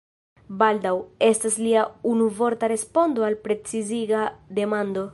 “Baldaŭ” estas lia unuvorta respondo al preciziga demando.